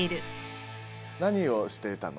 何をしていたの？